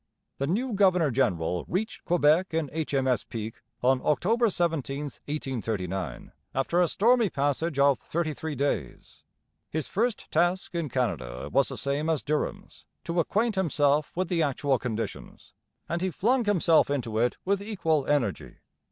The new governor general reached Quebec in H.M.S. Pique on October 17, 1839, after a stormy passage of thirty three days. His first task in Canada was the same as Durham's to acquaint himself with the actual conditions and he flung himself into it with equal energy.